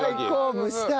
蒸したい。